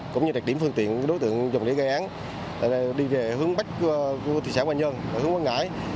cũng như đặt điểm phương tiện đối tượng dùng để gây án đi về hướng bách của thị xã hỏa nhơn hướng quang ngãi